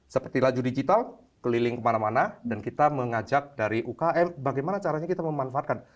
seperti laju digital keliling kemana mana dan kita mengajak dari ukm bagaimana caranya kita memanfaatkan